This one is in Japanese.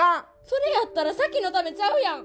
それやったら咲妃のためちゃうやん。